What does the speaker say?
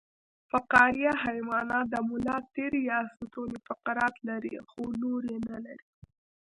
فقاریه حیوانات د ملا تیر یا ستون فقرات لري خو نور یې نلري